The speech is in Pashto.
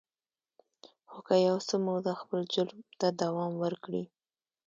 خو که يو څه موده خپل جرم ته دوام ورکړي.